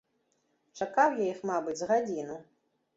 Чакаў я іх, мабыць, з гадзіну.